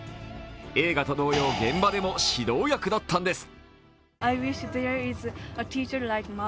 映画と同様、現場でも指導役だったんです。